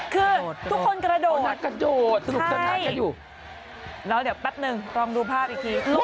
คือทุกคนกระโดดใช่แล้วเดี๋ยวแป๊บหนึ่งลองดูภาพอีกที